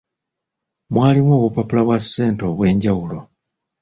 Mwalimu obupapula bwa ssente obw'enjawulo.